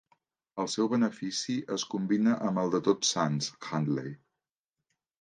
El seu benefici es combina amb el de Tots Sants, Handley.